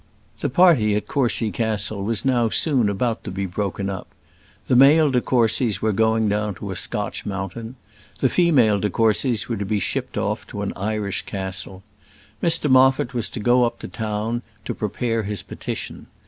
The party at Courcy Castle was now soon about to be broken up. The male de Courcys were going down to a Scotch mountain. The female de Courcys were to be shipped off to an Irish castle. Mr Moffat was to go up to town to prepare his petition.